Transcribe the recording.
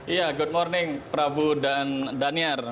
iya good morning prabu dan daniar